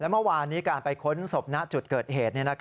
เมื่อวานนี้การไปค้นศพณจุดเกิดเหตุ